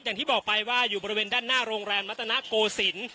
อย่างที่บอกไปว่าอยู่บริเวณด้านหน้าโรงแรมมัตนโกศิลป์